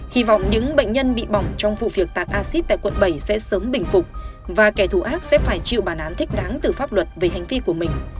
hy vọng những bệnh nhân bị bỏng trong vụ việc tạc acid tại quận bảy sẽ sớm bình phục và kẻ thù ác sẽ phải chịu bản án thích đáng từ pháp luật về hành vi của mình